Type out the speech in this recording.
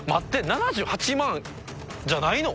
７８万じゃないの？